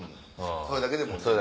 それだけでもう。